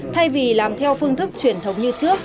thay vì làm theo phương thức truyền thống như trước